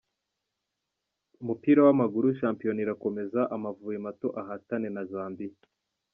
Mu mupira w’amaguru, Shampiyona irakomeza, Amavubi mato ahatane na Zambia.